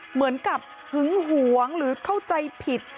เหมือนกับหึงหวงหรือเข้าใจผิด